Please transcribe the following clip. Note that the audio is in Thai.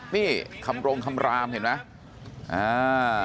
นี่คำรงคำรามเห็นไหม